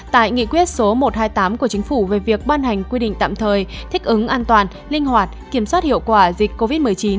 tại nghị quyết số một trăm hai mươi tám của chính phủ về việc ban hành quy định tạm thời thích ứng an toàn linh hoạt kiểm soát hiệu quả dịch covid một mươi chín